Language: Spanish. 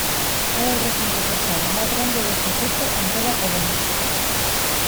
Es el recinto techado más grande de este tipo en toda Polonia.